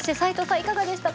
いかがでしたか？